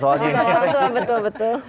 terima kasih banyak mbak mona